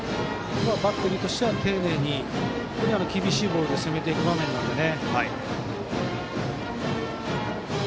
バッテリーとしては丁寧に厳しいボールで攻めていく場面なのでね。